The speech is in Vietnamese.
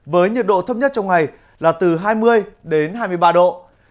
với nhiệt độ thấp nhất trong ngày là từ hai mươi đến hai mươi ba độ